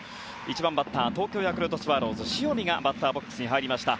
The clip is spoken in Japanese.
１番バッター東京ヤクルトスワローズの塩見がバッターボックスに入りました。